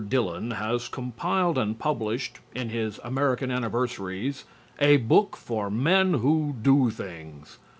Dillon has compiled and published in his "American Anniversaries" a book for men who do things.